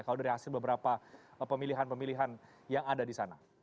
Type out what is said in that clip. kalau dari hasil beberapa pemilihan pemilihan yang ada di sana